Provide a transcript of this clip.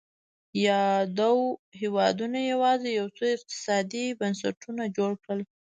یادو هېوادونو یوازې یو څو اقتصادي بنسټونه جوړ کړل.